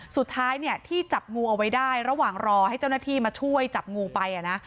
สุดท้ายเนี่ยที่จับงูเอาไว้ได้ระหว่างรอให้เจ้าหน้าที่มาช่วยจับงูไปอ่ะนะ